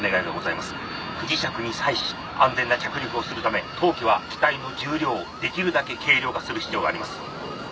不時着に際し安全な着陸をするため当機は機体の重量をできるだけ軽量化する必要があります。